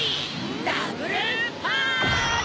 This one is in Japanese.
ダブルパンチ！